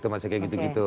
masih kayak gitu gitu